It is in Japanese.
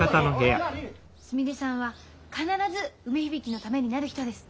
すみれさんは必ず梅響のためになる人です。